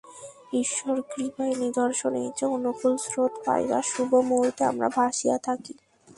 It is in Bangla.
ঈশ্বর-কৃপায় নিদর্শন এই যে, অনুকূল স্রোত পাইবার শুভ মুহূর্তে আমরা ভাসিয়া থাকি।